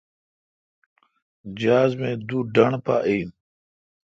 جہاز می دو ڈنڈ پہ این